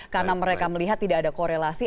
karena mereka melihat tidak ada korelasi